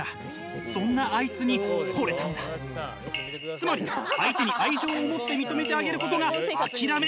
つまり相手に愛情を持って認めてあげることが諦め。